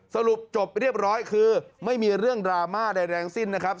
สรุปจบเรียบร้อยคือไม่มีเรื่องดราม่าใดแรงสิ้นนะครับ